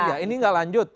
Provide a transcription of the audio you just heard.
iya ini gak lanjut